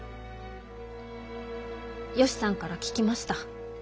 ヨシさんから聞きました。